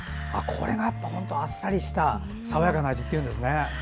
これが本当にあっさりした爽やかな味っていうんですね。